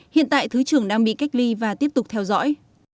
hiện tại thứ trưởng đang bị cách ly và tiếp tục theo dõi